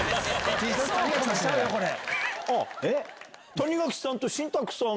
谷垣さんと新宅さん！